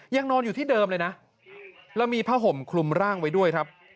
ยังนอนอยู่ที่เดิมเลยนะแล้วมีผ้าห่มคลุมร่างไว้ด้วยครับ